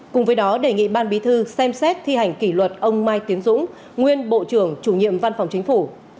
cùng với đó đề nghị ban bí thư xem xét thi hành kỷ luật ông mai tiến dũng nguyên bộ trưởng chủ nhiệm văn phòng chính phủ